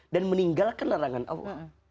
dan meninggalkan larangan allah